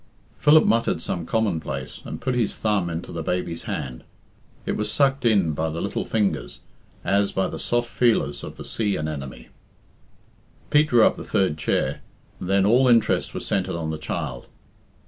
Philip muttered some commonplace, and put his thumb into the baby's hand. It was sucked in by the little fingers as by the soft feelers of the sea anemone. Pete drew up the third chair, and then all interest was centred on the child.